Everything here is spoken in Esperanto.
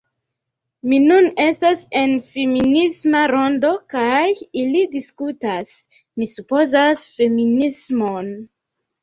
Mi nun estas en feminisma rondo kaj ili diskutas... mi supozas... feminismon